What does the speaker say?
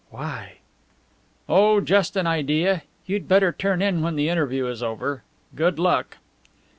"Why?" "Oh, just an idea. You'd better turn in when the interview is over. Good luck."